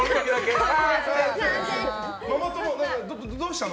ママ友はどうしたの？